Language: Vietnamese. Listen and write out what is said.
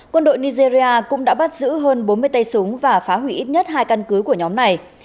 quân đội nigeria cũng đã bắt giữ hơn bốn mươi tay súng và phá hủy ít nhất hai căn cứ của nhóm này